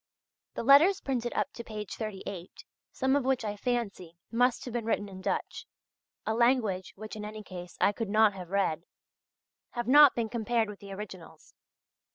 The letters printed up to page 38, some of which I fancy must have been written in Dutch a language which in any case I could not have read have not been compared with the originals.